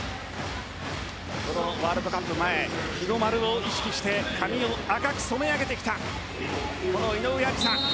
このワールドカップ前日の丸を意識して髪を赤く染め上げてきた井上愛里沙。